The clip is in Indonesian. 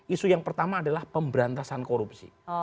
isu yang pertama adalah pemberantasan korupsi